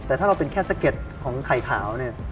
แต่ถ้าเราเป็นแค่สเก็ตของไข่ขาว